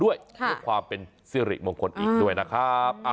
ด้วยความเป็นเสร็จมงคลอีกด้วยนะครับ